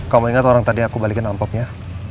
kamu ingat orang tadi aku balikin amplopnya